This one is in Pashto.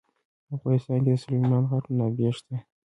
په افغانستان کې د سلیمان غر منابع شته.